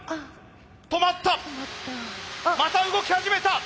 止まったまた動き始めた！